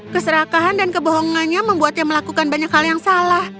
keserakahan dan kebohongannya membuatnya melakukan banyak hal yang salah